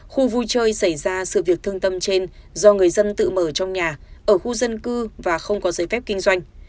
khu vui chơi xảy ra sự việc thương tâm trên do người dân tự mở trong nhà ở khu dân cư và không có giấy phép kinh doanh